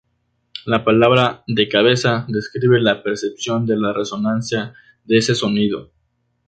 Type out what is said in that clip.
La palabra "de cabeza" describe la percepción de la resonancia de ese sonido.